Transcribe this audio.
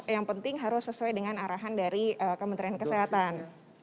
yang penting harus sesuai dengan arahan dari kementerian kesehatan